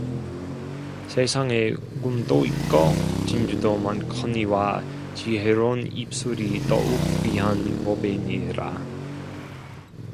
세상에 금도 있고 진주도 많거니와 지혜로운 입술이 더욱 귀한 보배니라